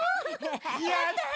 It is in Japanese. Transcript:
やった！